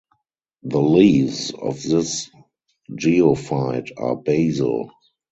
The leaves of this geophyte are basal.